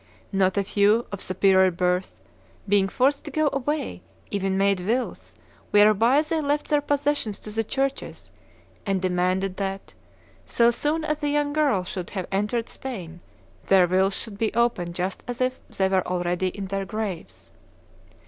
Not a few, of superior birth, being forced to go away, even made wills whereby they left their possessions to the churches, and demanded that, so soon as the young girl should have entered Spain, their wills should be opened just as if they were already in their graves.